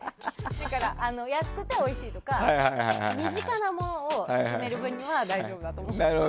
だから、安くておいしいとか身近なもの勧める分には大丈夫だと思う。